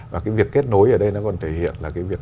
và cái việc kết nối ở đây nó còn thể hiện là cái việc